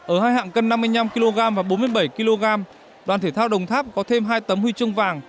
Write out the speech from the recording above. ở hai hạng cân năm mươi năm kg và bốn mươi bảy kg đoàn thể thao đồng tháp có thêm hai tấm huy chương vàng